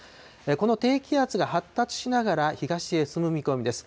この低気圧が発達しながら東へ進む見込みです。